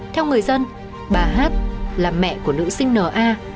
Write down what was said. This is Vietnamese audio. theo người dân bà hát là mẹ của nữ sinh n a